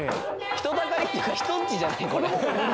人だかりっていうか人んちじゃないん？